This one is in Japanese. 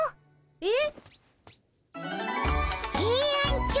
えっ？